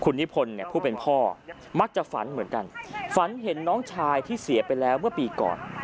คุณนิพนธ์เนี่ยผู้เป็นพ่อมักจะฝันเหมือนกันฝันเห็นน้องชายที่เสียไปแล้วเมื่อปีก่อน